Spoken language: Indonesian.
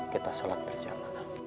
kita sholat berjalan